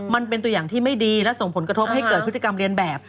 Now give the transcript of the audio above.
มันเป็นตัวอย่างที่ไม่ดีและส่งผลกระทบให้เกิดพฤติกรรมเรียนแบบ